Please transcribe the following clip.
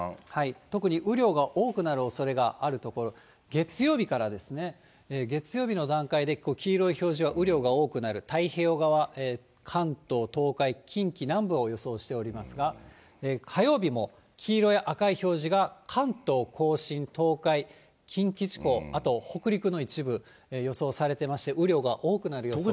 特に雨量が多くなるおそれがある所、月曜日からですね、月曜日の段階で黄色い表示が雨量が多くなる、太平洋側、関東、東海、近畿南部を予想しておりますが、火曜日も、黄色や赤い表示が関東甲信、東海、近畿地方、あと北陸の一部、予想されてまして、雨量が多くなる予想です。